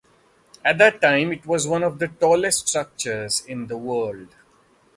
At that time it was one of the tallest structures in the world.